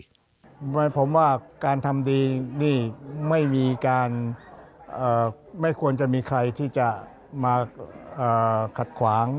ฉันคิดว่าการทำดีนี้ไม่ควรจะมีใครที่จะมาขัดขวาง